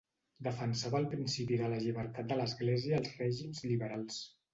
Defensava el principi de la llibertat de l'Església als règims liberals.